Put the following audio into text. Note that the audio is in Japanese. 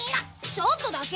ちょっとだけ！